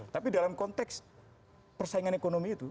tapi dalam konteks persaingan ekonomi itu